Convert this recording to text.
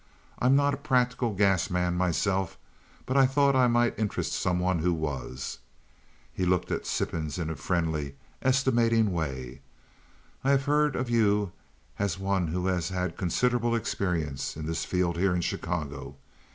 I'm not a practical gas man myself, but I thought I might interest some one who was." He looked at Sippens in a friendly, estimating way. "I have heard of you as some one who has had considerable experience in this field here in Chicago.